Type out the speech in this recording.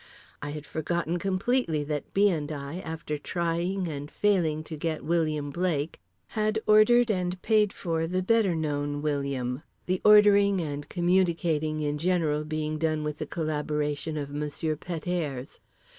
I had forgotten completely that B. and I—after trying and failing to get William Blake—had ordered and paid for the better known William; the ordering and communicating in general being done with the collaboration of Monsieur Pet airs.